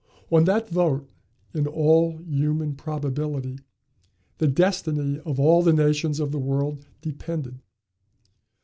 On that vote, in all human probability, the destiny of all the nations of the world depended.